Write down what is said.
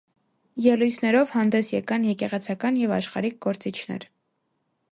Ելույթներով հանդես եկան եկեղեցական և աշխարհիկ գործիչներ։